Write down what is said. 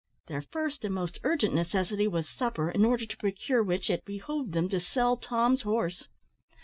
Their first and most urgent necessity was supper, in order to procure which it behoved them to sell Tom's horse.